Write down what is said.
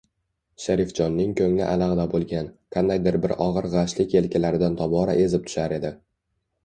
Sharifjonning koʻngli alagʻda boʻlgan, qandaydir bir ogʻir gʻashlik yelkalaridan tobora ezib tushar edi.